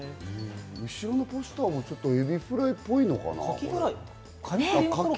後ろのポスターもエビフライっぽいのかな？